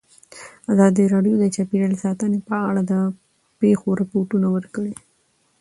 ازادي راډیو د چاپیریال ساتنه په اړه د پېښو رپوټونه ورکړي.